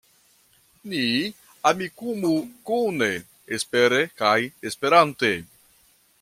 Ni Amikumu kune, espere kaj Esperante.